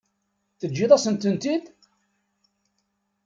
Teǧǧiḍ-asent-tent-id?